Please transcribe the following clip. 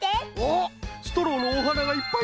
ストローのおはながいっぱいさいてる！